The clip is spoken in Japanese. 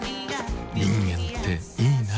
人間っていいナ。